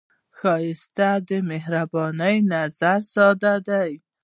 ښایست د مهربان نظر ساه ده